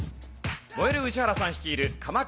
燃える宇治原さん率いる鎌倉